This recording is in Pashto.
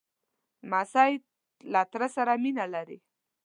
لمسی له تره سره مینه لري.